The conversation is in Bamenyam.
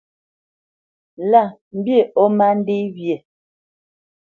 Lâ mbî ó má ndê wyê.